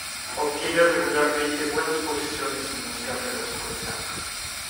Obtiene regularmente buenas posiciones en las carreras por etapas.